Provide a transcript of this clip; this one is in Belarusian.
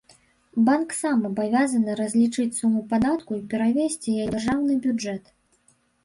Банк сам абавязаны разлічыць суму падатку і перавесці яе ў дзяржаўны бюджэт.